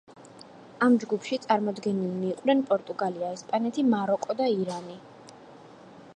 ამ ჯგუფში წარმოდგენილნი იყვნენ პორტუგალია, ესპანეთი, მაროკო და ირანი.